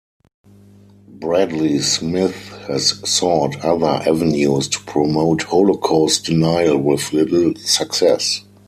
Bradley Smith has sought other avenues to promote Holocaust denial - with little success.